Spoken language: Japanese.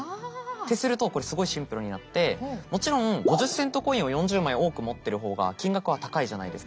ってするとこれすごいシンプルになってもちろん５０セントコインを４０枚多く持ってる方が金額は高いじゃないですか。